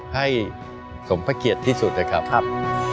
ให้สมพเกียจที่สุดนะครับ